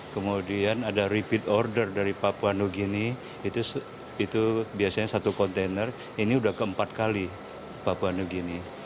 kemudian ada repeat order dari papua new guinea itu biasanya satu kontainer ini sudah keempat kali papua new guinea